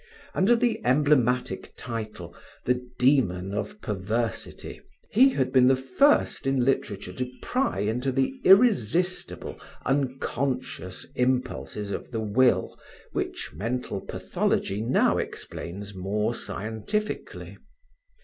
Under the emblematic title, The Demon of Perversity, he had been the first in literature to pry into the irresistible, unconscious impulses of the will which mental pathology now explains more scientifically.